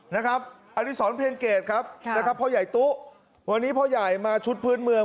นะครับอดิษรเพลงเกตครับนะครับพ่อใหญ่ตุ๊วันนี้พ่อใหญ่มาชุดพื้นเมือง